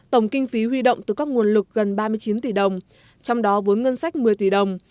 tổng kinh phí huy động từ các nguồn lực gần ba mươi chín tỷ đồng trong đó vốn ngân sách một mươi tỷ đồng